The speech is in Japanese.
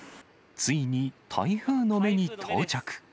ついに、台風の目に到着。